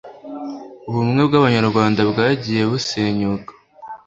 ubumwe bw abanyarwanda bwagiye busenyuka